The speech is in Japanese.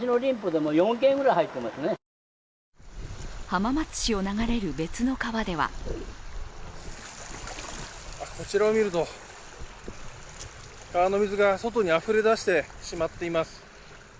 浜松市を流れる別の川ではこちらを見ると、川の水が外にあふれ出してしまっています。